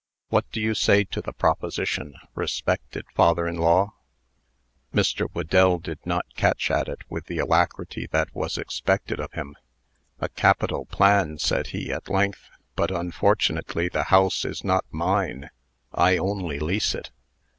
What do you say to the proposition, respected father in law?" Mr. Whedell did not catch at it with the alacrity that was expected of him. "A capital plan," said he, at length; "but, unfortunately, the house is not mine. I only lease it."